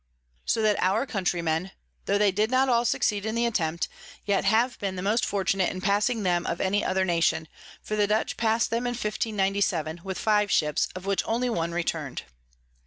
So that our Countrymen, tho they did not all succeed in the Attempt, yet have been the most fortunate in passing them of any other Nation: for the Dutch pass'd them in 1597. with five Ships, of which only one return'd.